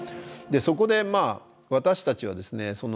そこで私たちはですね